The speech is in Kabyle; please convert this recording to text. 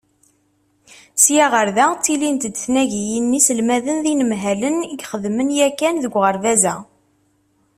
Sya ɣer da, ttilint-d tnagiyin n yiselmaden d yinemhalen i ixedmen yakan deg uɣerbaz-a.